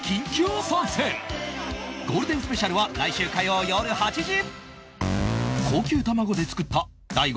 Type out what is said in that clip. ゴールデンスペシャルは来週火曜よる８時！